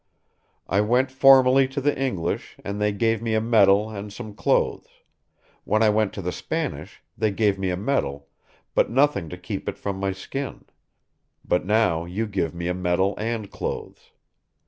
I went formerly to the English, and they gave me a medal and some clothes; when I went to the Spanish, they gave me a medal, but nothing to keep it from my skin; but now you give me a medal and clothes.